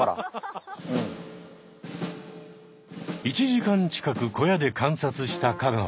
１時間近く小屋で観察した香川。